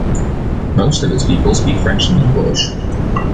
Most of its people speak French and English.